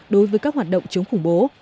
đối với các hoạt động chống khủng bố